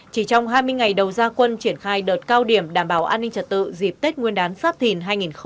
chỉ trong hai mươi ngày đầu gia quân triển khai đợt cao điểm đảm bảo an ninh trật tự dịp tết nguyên đán sắp thìn hai nghìn hai mươi bốn